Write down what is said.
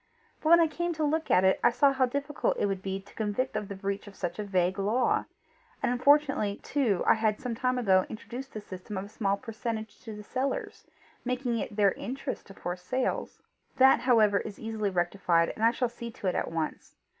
But when I came to look at it, I saw how difficult it would be to convict of the breach of such a vague law; and unfortunately too I had some time ago introduced the system of a small percentage to the sellers, making it their interest to force sales. That however is easily rectified, and I shall see to it at once.